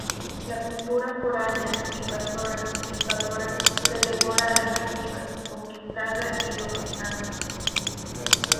La cultura foránea, invasora, conquistadora, se devora a la nativa, conquistada y dominada.